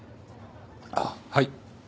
あっはい。